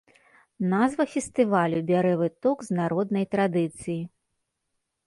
Назва фестывалю бярэ выток з народнай традыцыі.